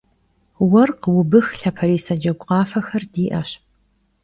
Vuerkh, vubıx, lhaperise cegu khafexer di'eş.